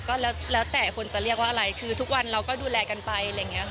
ก็แล้วแต่คนจะเรียกว่าอะไรคือทุกวันเราก็ดูแลกันไป